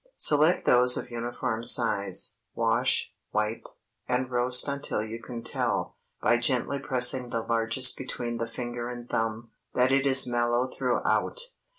Select those of uniform size, wash, wipe, and roast until you can tell, by gently pressing the largest between the finger and thumb, that it is mellow throughout.